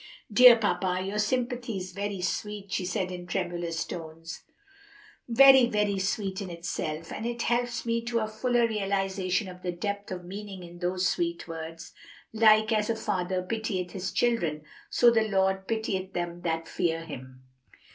"Dear papa, your sympathy is very sweet," she said in tremulous tones, "very, very sweet in itself, and it helps me to a fuller realization of the depth of meaning in those sweet words, 'Like as a father pitieth his children, so the Lord pitieth them that fear Him.'"